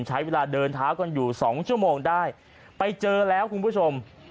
ใช้เวลาเดินเท้ากันอยู่สองชั่วโมงได้ไปเจอแล้วคุณผู้ชม